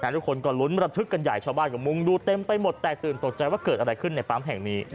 ทุกคนก็ลุ้นระทึกกันใหญ่ชาวบ้านก็มุ่งดูเต็มไปหมดแตกตื่นตกใจว่าเกิดอะไรขึ้นในปั๊มแห่งนี้